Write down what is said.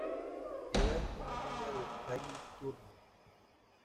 Eva es amiga de Kylie Turner.